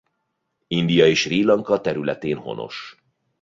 India és Srí Lanka területén honos.